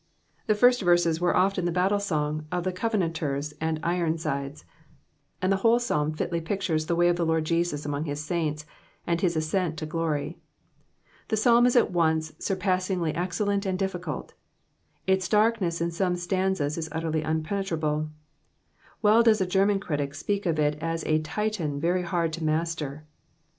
Hie first verses were often the battle song of the Covenanta s and Ironsides ; and the whole Psalm filly pictures the way of the Lord Jesus among his saints, and his ascent to glory. The Psalm is at once surpassingly excellent and difficult Its darkness in some stanzas is utterly impenetrable. Well does a Gemtan critic speak of it as a Titan very hard to master.